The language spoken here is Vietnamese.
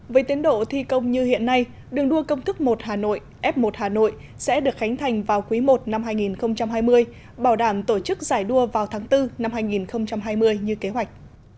với tiến độ thi công như hiện nay đường đua công thức một hà nội f một hà nội sẽ được khánh thành vào quý i năm hai nghìn hai mươi bảo đảm tổ chức giải đua vào tháng bốn năm hai nghìn hai mươi như kế hoạch